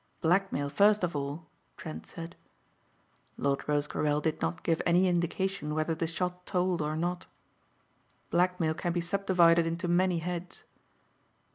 "Blackmail first of all," Trent said. Lord Rosecarrel did not give any indication whether the shot told or not. "Blackmail can be sub divided into many heads."